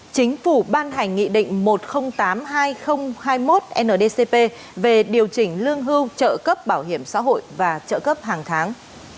chính phủ ban hành nghị định một trăm linh tám hai nghìn hai mươi một ndcp về điều chỉnh lương hưu trợ cấp bảo hiểm xã hội và trợ cấp hàng tháng